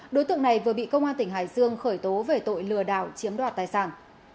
đối tượng này vừa bị công an tỉnh hải dương khởi tố về tội lừa đảo chiếm đoạt tài sản